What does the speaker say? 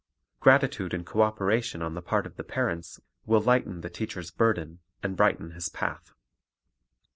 Gratitude and co operation on the part of the parents will lighten the teacher's burden and brighten his path.